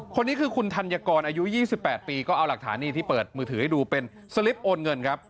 คนนี้คือคุณธัญกรอายุ๒๘ปีก็เอาหลักฐานี่ที่เปิดมือถือให้ดูเป็นสลิปโอนเงินครับ